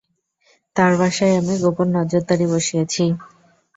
তার বাসায় আমি গোপন নজরদারী বসিয়েছি।